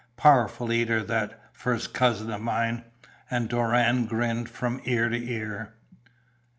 Powerful eater, that first cousin of mine," and Doran grinned from ear to ear.